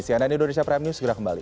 cnn indonesia prime news segera kembali